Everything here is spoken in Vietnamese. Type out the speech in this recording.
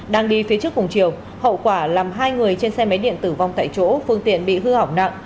đang đi phía trước cùng chiều hậu quả làm hai người trên xe máy điện tử vong tại chỗ phương tiện bị hư hỏng nặng